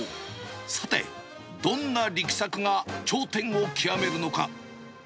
さて、どんな力作が頂点を極めるのか。